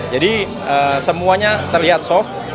jadi semuanya terlihat soft